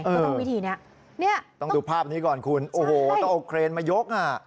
ก็ต้องวิธีนี้เนี่ยต้องดูภาพนี้ก่อนคุณโอ้โหต้องเอาเครนมายกอ่ะ